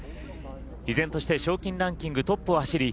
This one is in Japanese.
依然として賞金ランキングトップを走り